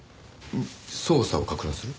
捜査を攪乱する。